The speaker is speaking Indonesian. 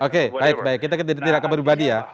oke baik baik kita ketik ketik rakyat beribadi ya